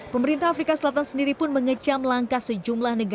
pemerintah afrika selatan sendiri pun mengecam langkah sejumlah negara